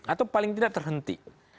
atau paling tidak terhenti